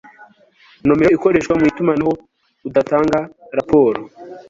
nomero ikoreshwa mu itumanaho udatanga raporo